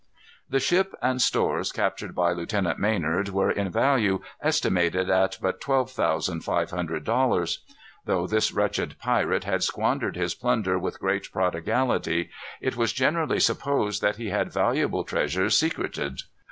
The ship and stores captured by Lieutenant Maynard were in value estimated at but twelve thousand five hundred dollars. Though this wretched pirate had squandered his plunder with great prodigality, it was generally supposed that he had valuable treasure secreted.